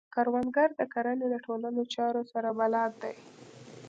کروندګر د کرنې د ټولو چارو سره بلد دی